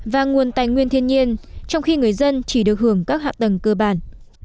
và nguồn tài nguyên thiên nhiên trong khi người dân chỉ được hưởng các hạ tầng cơ bản